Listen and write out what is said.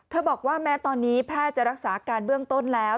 บอกว่าแม้ตอนนี้แพทย์จะรักษาอาการเบื้องต้นแล้ว